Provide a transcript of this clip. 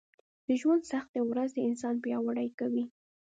د ژونــد سختې ورځې انـسان پـیاوړی کوي